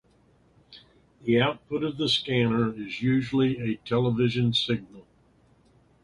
The output of the scanner is usually a television signal.